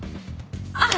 あっ！